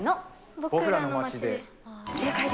僕らの街で。